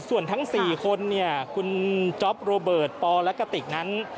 ส่วนทั้ง๔คนคุณจ๊อปโรเบิร์ตปอล์และกะติ๊กนั้น